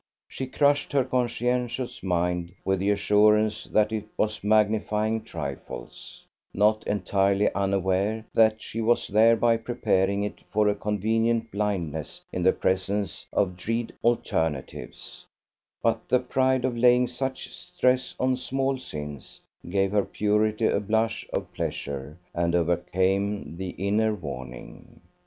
She crushed her conscientious mind with the assurance that it was magnifying trifles: not entirely unaware that she was thereby preparing it for a convenient blindness in the presence of dread alternatives; but the pride of laying such stress on small sins gave her purity a blush of pleasure and overcame the inner warning.